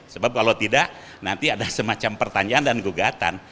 sebab kalau tidak nanti ada semacam pertanyaan dan gugatan